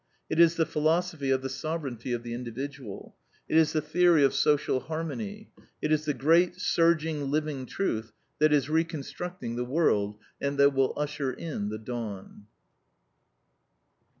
It is the philosophy of the sovereignty of the individual. It is the theory of social harmony. It is the great, surging, living truth that is reconstructing the world, and that will usher in the Dawn.